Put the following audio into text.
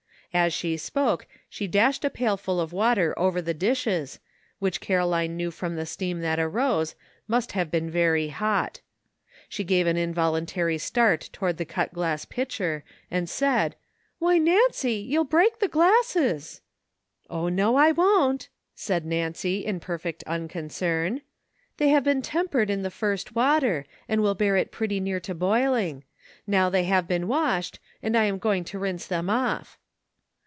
As she spoke she dashed a pailful of water over the dishes, which Caroline knew from the steam that arose must have been very hot. She gave an involuntary start toward the cut glass pitcher, and said :" Why, Nancy, you will break the glasses !"" O, no, I won't !" said Nancy, in perfect unconcern; "they have been tempered in the first water, and will bear it pretty near to boiling. Now they have been washed, and I am going to rinse them off."